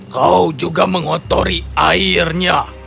kau juga mengotori airnya